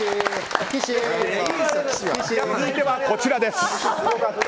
続いてはこちらです。